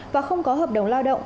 và không có hợp đồng lao động